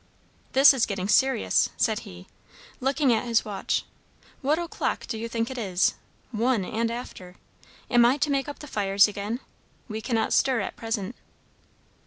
"This is getting serious!" said he, looking at his watch. "What o'clock do you think it is? One, and after. Am I to make up the fires again? We cannot stir at present."